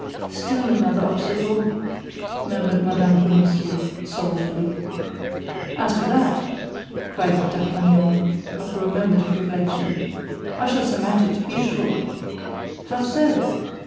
"Still another obstacle," murmured Mme. Bonacieux, sorrowfully. "As to that," cried D'Artagnan, after a moment of reflection, "I shall surmount it, be assured." "How so?"